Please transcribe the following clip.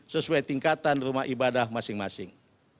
sesuai tingkatan rumah ibadah masing masing